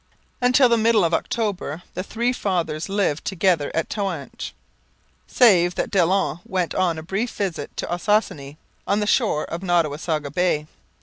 Until the middle of October the three fathers lived together at Toanche, save that Daillon went on a brief visit to Ossossane, on the shore of Nottawasaga Bay.